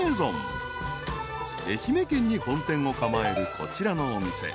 ［愛媛県に本店を構えるこちらのお店］